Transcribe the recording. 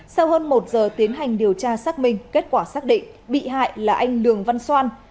sau hơn một giờ tiến hành điều tra xác minh kết quả xác định bị hại là anh lường văn xoan